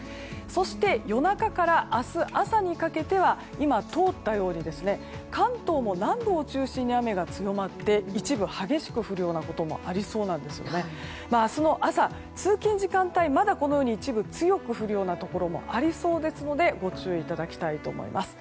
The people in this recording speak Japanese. そして夜中から明日朝にかけては今、通ったように関東も南部を中心に雨が強まって一部激しく降るようなこともありそうなんですよね。明日の朝、通勤時間帯まだこのように一部強く降るようなところもありそうですのでご注意いただきたいと思います。